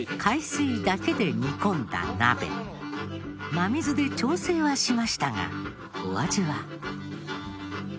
真水で調整はしましたがお味は？